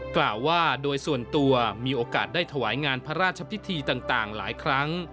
กล่าวว่าโดยส่วนตัวมีโอกาสได้ถวายงานพระราชพิธีต่างหลายครั้ง